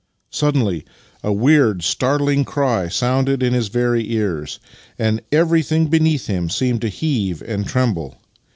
Suddenly a weird, startling cry sounded in his very ears, and everything beneath him seemed to heave and tremble.